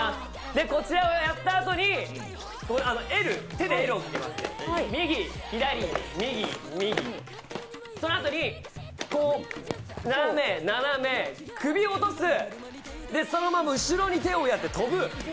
こちらをやったあとに、手でＬをつくって、右、左、右、右そのあとに斜め、斜め、首落とすそのまま後ろに手をやって跳ぶ。